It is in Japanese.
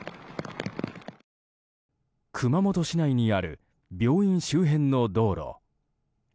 熊本市内にある病院周辺の道路。